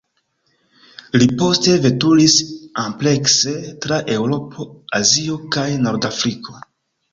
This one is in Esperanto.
Li poste veturis amplekse, tra Eŭropo, Azio kaj Nordafriko.